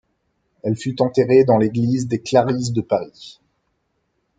Elle fut enterrée dans l'église des Clarisses de Paris.